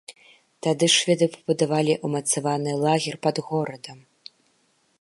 Тады шведы пабудавалі ўмацаваны лагер пад горадам.